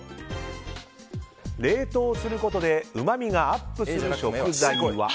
冷凍することでうまみがアップする食材は。